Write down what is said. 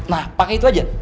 nah pake itu aja